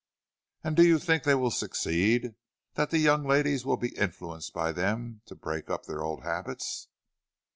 "And do you think they will succeed? That the young ladies will be influenced by them to break up their old habits?"